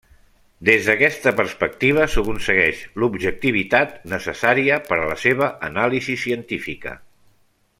Des d’aquesta perspectiva, s’aconsegueix l’objectivitat necessària per a la seva anàlisi científica.